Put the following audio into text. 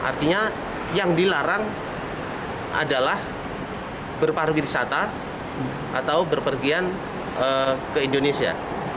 artinya yang dilarang adalah berparwirisata atau berpergian ke indonesia